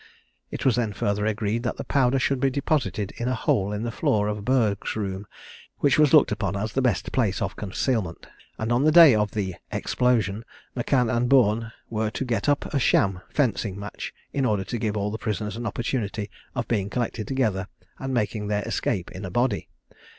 It was then further agreed that the powder should be deposited in a hole in the floor of Burgh's room, which was looked upon as the best place of concealment; and that on the day of the "explosion," M'Can and Bourne were to get up a sham fencing match, in order to give all the prisoners an opportunity of being collected together and making their escape in a body.